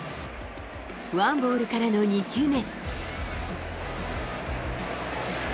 ワンボールからの２球目。